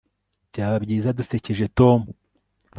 Byaba byiza dusekeje Tom